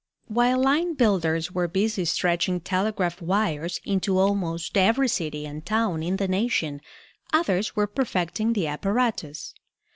While the line builders were busy stretching telegraph wires into almost every city and town in the nation, others were perfecting the apparatus.